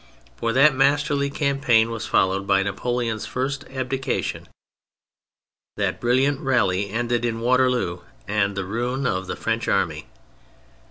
For that masterly campaign was followed by Napoleon's first abdica tion, that brilliant rally ended in Waterloo and the ruin of the French army.